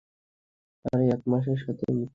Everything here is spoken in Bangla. আরে, এক মানুষের সাথে একই মিথ্যা কথা আর কতোবার বলবে?